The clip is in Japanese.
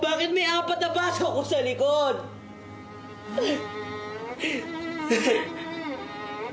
えっ？